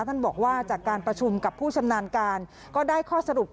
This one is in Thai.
ท่านบอกว่าจากการประชุมกับผู้ชำนาญการก็ได้ข้อสรุป